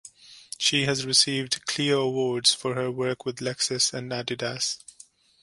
She has received Clio awards for her work with Lexus and Adidas.